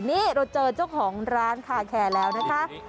นี่เราเจอเจ้าของร้านคาแคร์แล้วนะคะ